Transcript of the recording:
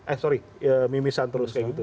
eh sorry mimisan terus kayak gitu